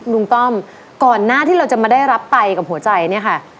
ต้อมก่อนหน้าที่เราจะมาได้รับไตกับหัวใจเนี่ยค่ะ